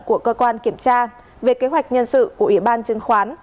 của cơ quan kiểm tra về kế hoạch nhân sự của ủy ban chứng khoán